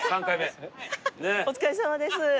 お疲れさまです。